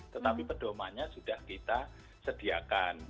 tetapi pedomannya sudah kita sediakan